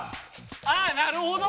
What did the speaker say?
あっなるほど！